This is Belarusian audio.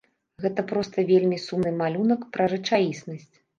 Гэта проста вельмі сумны малюнак пра рэчаіснасць.